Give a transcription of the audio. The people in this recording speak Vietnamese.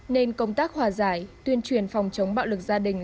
nên công tác hòa giải tuyên truyền phòng chống bạo lực gia đình